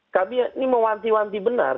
kami ini mewanti wanti benar